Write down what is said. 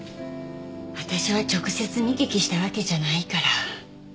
私は直接見聞きしたわけじゃないから。